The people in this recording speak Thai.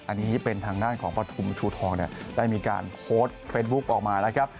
อันนี้เป็นทางด้านของปฐุมชูทองได้มีการโพสต์เฟซบุ๊คออกมาแล้วครับ